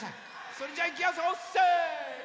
それじゃいきやすよせの！